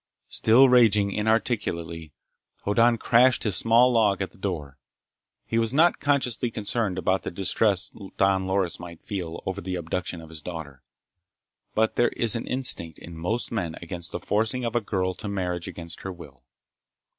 Still raging inarticulately, Hoddan crashed his small log at the door. He was not consciously concerned about the distress Don Loris might feel over the abduction of his daughter. But there is an instinct in most men against the forcing of a girl to marriage against her will.